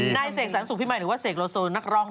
ไทยเสกสรรสุภิมัยหรือว่าเสกโลโซ